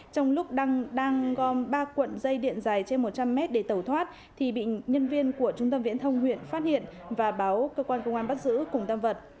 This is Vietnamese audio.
trong lúc đang gom ba cuộn dây điện dài trên một trăm linh mét để tẩu thoát thì bị nhân viên của trung tâm viễn thông huyện phát hiện và báo cơ quan công an bắt giữ cùng tam vật